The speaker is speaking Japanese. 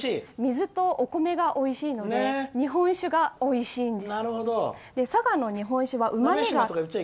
水とお米がおいしいので日本酒がおいしいんです。